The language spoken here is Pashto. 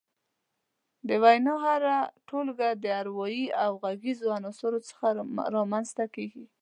د وينا هره ټولګه د اوايي او غږيزو عناصرو څخه رامنځ ته کيږي.